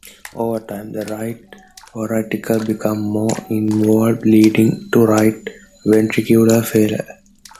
Over time, the right ventricle becomes more involved, leading to right ventricular failure.